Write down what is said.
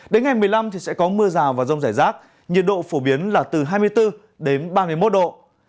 đến ngày một mươi năm sẽ có mưa rào và rông rải rác nhiệt độ phổ biến là từ hai mươi bốn đến ba mươi một độ